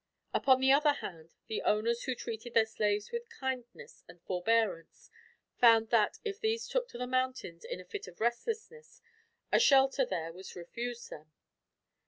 Upon the other hand, the owners who treated their slaves with kindness and forbearance found that, if these took to the mountains in a fit of restlessness, a shelter there was refused them.